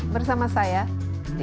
bersama saya desi anwar